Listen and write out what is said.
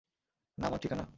নাম আর ঠিকানা?